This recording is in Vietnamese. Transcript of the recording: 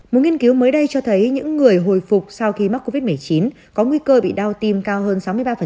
một nghiên cứu mới đây cho thấy những người hồi phục sau khi mắc covid một mươi chín có nguy cơ bị đau tim cao hơn sáu mươi ba